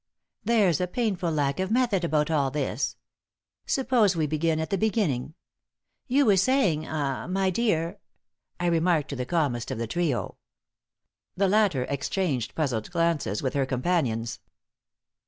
"There's a painful lack of method about all this. Suppose we begin at the beginning. You were saying ah my dear ?" I remarked to the calmest of the trio. The latter exchanged puzzled glances with her companions.